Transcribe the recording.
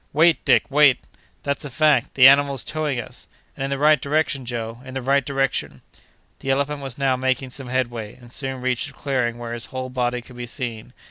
"Wait, Dick; wait!" "That's a fact! The animal's towing us!" "And in the right direction, Joe—in the right direction." The elephant was now making some headway, and soon reached a clearing where his whole body could be seen.